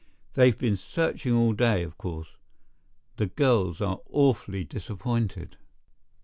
They've been searching all day, of course. The girls are awfully disappointed."